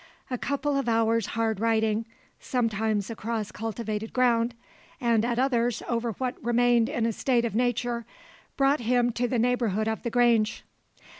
A couple of hours' hard riding, sometimes across cultivated ground, and at others over what remained in a state of nature, brought him to the neighbourhood of the Grange.